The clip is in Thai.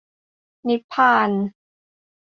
นิพพาน